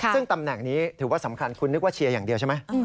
ซึ่งตำแหน่งนี้ถือว่าสำคัญคุณนึกว่าเชียร์อย่างเดียวใช่ไหม